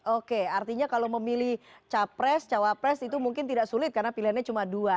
oke artinya kalau memilih capres cawapres itu mungkin tidak sulit karena pilihannya cuma dua